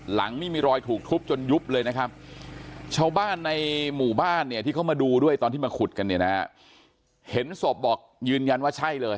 หลังนี่มีรอยถูกทุบจนยุบเลยนะครับชาวบ้านในหมู่บ้านเนี่ยที่เขามาดูด้วยตอนที่มาขุดกันเนี่ยนะเห็นศพบอกยืนยันว่าใช่เลย